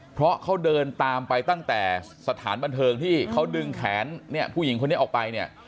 เพราะเค้าเดินตามไปตั้งแต่สถานบัลเทิงที่เค้าดึงแขนผู้หญิงคนนี้ออกไป